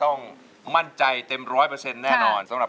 เพลงแรกเพราะนั้นครับ